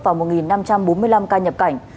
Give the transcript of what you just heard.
và một năm trăm bốn mươi năm ca nhập cảnh